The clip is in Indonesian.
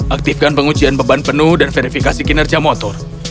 aktifkan pengujian beban penuh dan verifikasi kinerja motor